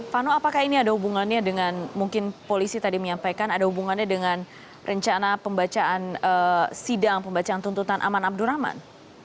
vano apakah ini ada hubungannya dengan mungkin polisi tadi menyampaikan ada hubungannya dengan rencana pembacaan sidang pembacaan tuntutan aman abdurrahman